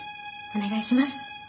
お願いします。